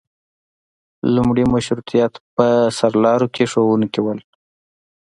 لومړي مشروطیت په سرلارو کې ښوونکي وو.